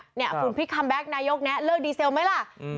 ฝุ่นพลิกคัมแก๊กนายกแนะเลิกดีเซลไหมล่ะ